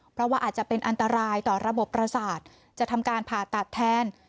เพราะว่าอาจจะเป็นอันตรายต่อระบบประสาทจะทำการผ่าตัดแทน